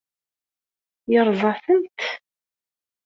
Yeṛṛeẓ-atent?